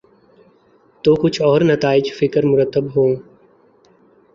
تو کچھ اور نتائج فکر مرتب ہوں۔